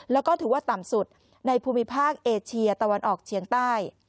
แล้วก็ถือว่าต่ำสุดในภูมิภาคเอเชียตะวันออกเฉียงใต้